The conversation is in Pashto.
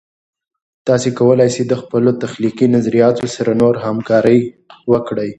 تاسې کولای سئ د خپلو تخلیقي نظریاتو سره نور همکارۍ وکړئ.